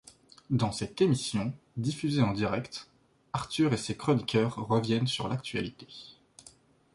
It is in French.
Dans cette émission, diffusée en direct, Arthur et ses chroniqueurs reviennent sur l'actualité.